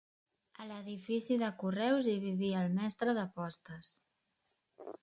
A l'edifici de correus hi vivia el mestre de postes.